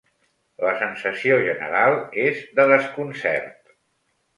La sensació general és de desconcert.